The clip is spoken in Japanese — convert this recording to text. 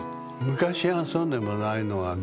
昔はそうでもないのはね。